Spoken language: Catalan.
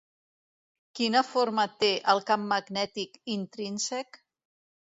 Quina forma té el camp magnètic intrínsec?